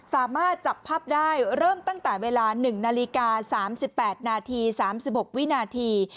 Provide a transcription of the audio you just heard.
สามารถจับภาพได้เริ่มตั้งแต่เวลา๑นาฬิกา๓๘นาที๓๖วินาที